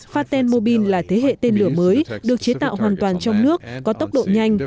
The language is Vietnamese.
fatah al mubin là thế hệ tên lửa mới được chế tạo hoàn toàn trong nước có tốc độ nhanh